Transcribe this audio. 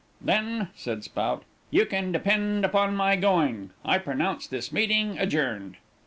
"Then," said Spout, "you can depend upon my going, I pronounce this meeting adjourned."